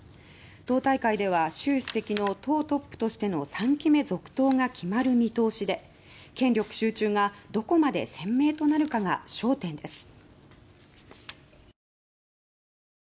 党大会では習主席の党トップとしての３期目続投が決まる見通しで権力集中がどこまで鮮明となるかが焦点です。